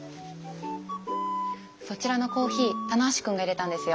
そちらのコーヒー棚橋君がいれたんですよ。